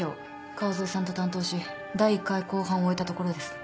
川添さんと担当し第１回公判を終えたところです。